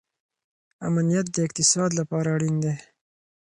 امنیت د اقتصاد لپاره اړین دی.